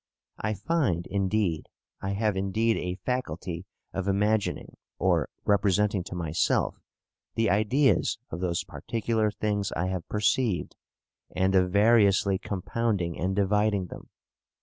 I find, indeed, I have indeed a faculty of imagining, or representing to myself, the ideas of those particular things I have perceived, and of variously compounding and dividing them.